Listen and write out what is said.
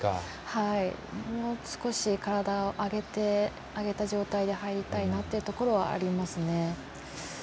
もう少し、体を上げた状態で入りたいなというところはありますね。